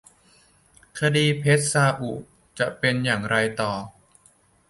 คดีเพชรซาอุจะเป็นอย่างไรต่อ